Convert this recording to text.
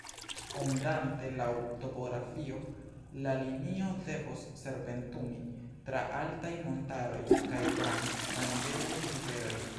Ondante laŭ topografio, la linio devos serpentumi tra altaj montaroj kaj trans danĝeraj riveroj.